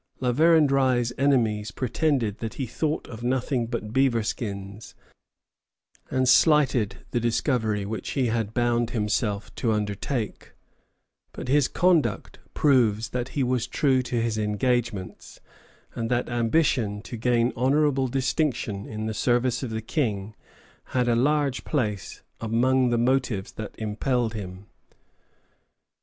La Vérendrye's enemies pretended that he thought of nothing but beaver skins, and slighted the discovery which he had bound himself to undertake; but his conduct proves that he was true to his engagements, and that ambition to gain honorable distinction in the service of the King had a large place among the motives that impelled him.